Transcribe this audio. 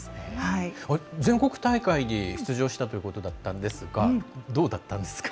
全国大会に出場したということだったんですがどうだったんですか？